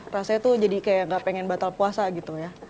rasanya tuh jadi kayak gak pengen batal puasa gitu ya